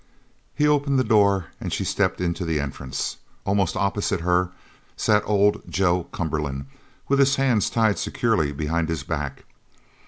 He opened the door and she stepped into the entrance. Almost opposite her sat old Joe Cumberland with his hands tied securely behind his back.